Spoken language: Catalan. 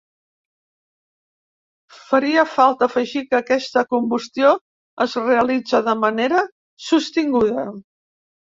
Faria falta afegir que aquesta combustió es realitza de manera sostinguda.